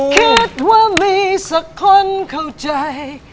คิดว่ามีสักคนเข้าใจ